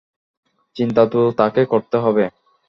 চিন্তা তো তাকে করতে হবে।